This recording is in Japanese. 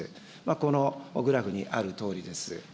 このグラフにあるとおりです。